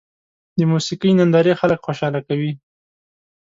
د موسیقۍ نندارې خلک خوشحاله کوي.